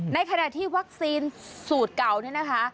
ในขณะที่วัคซีนสูตรเก่านี่นะคะ